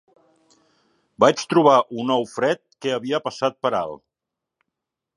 Vaig trobar un ou fred que havia passat per alt.